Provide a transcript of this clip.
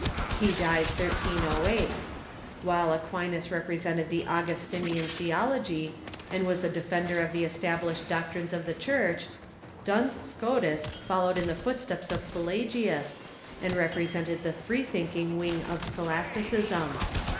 He died 1308. While Aquinas represented the Augustinian Theolo gy, and was a defender of the established doctrines of the Church, Duns Scotus followed in the footsteps of Pelagius, and represented the free thinking wing of scholasticism.